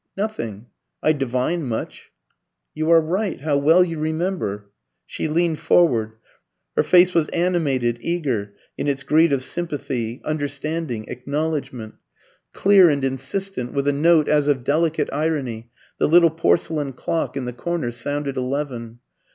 "Nothing. I divined much." "You are right. How well you remember!" She leaned forward. Her face was animated, eager, in its greed of sympathy, understanding, acknowledgment. Clear and insistent, with a note as of delicate irony, the little porcelain clock in the corner sounded eleven.